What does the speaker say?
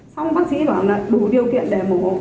xong bác sĩ bảo là đủ điều kiện để mổ hộp